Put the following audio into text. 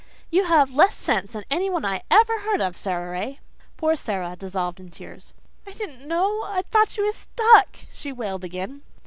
"You have less sense than anyone I ever heard of, Sara Ray." Poor Sara dissolved in tears. "I didn't know. I thought she was stuck," she wailed again.